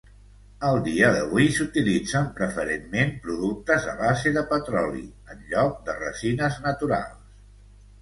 Al dia d'avui s'utilitzen preferentment productes a base de petroli en lloc de resines naturals.